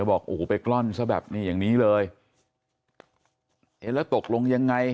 บอกอู้หูไปกล้อนซะเบบนี้โยงนี้เลยแล้วตกลงยังไง